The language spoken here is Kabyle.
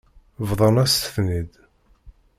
Bḍan-asen-t-id.